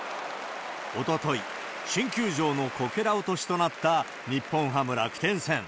おととい、新球場のこけら落としとなった日本ハム・楽天戦。